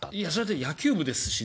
野球部ですしね。